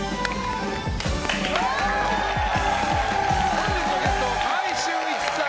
本日のゲスト、川合俊一さん